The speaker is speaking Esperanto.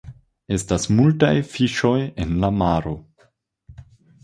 Estas multaj fiŝoj en la maro.